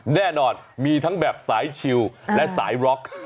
แน่นอนมีทั้งแบบสายชิลและสายบล็อก